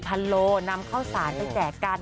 ๔ตัน๔๐๐๐โลเมตรนำข้าวสารไปแจกกัน